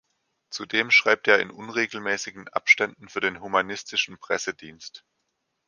Zudem schreibt er in unregelmäßigen Abständen für den "Humanistischen Pressedienst".